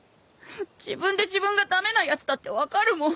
自分で自分が駄目なやつだって分かるもん。